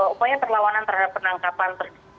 upaya terlawanan terhadap penangkapan